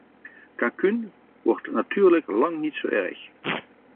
Cancún wordt natuurlijk lang niet zo erg.